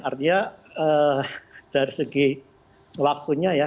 artinya dari segi waktunya ya